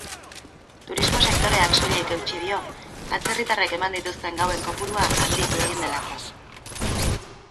Turismo-sektoreak soilik eutsi dio, atzerritarrek eman dituzten gauen kopurua handitu egin delako.